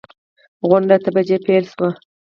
غونډه اته بجې پیل شوه.